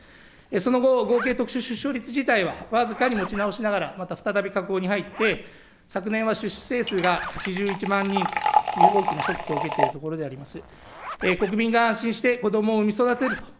その後、合計特殊出生率が持ち直しながら、また再び下降に入って昨年は出生数が８１万人という大きなショックを受けているところでございます。